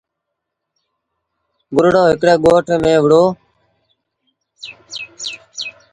گھوڙو هڪڙي ڳوٺ ميݩ وهُڙو۔